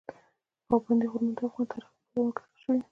پابندی غرونه د افغان تاریخ په کتابونو کې ذکر شوی دي.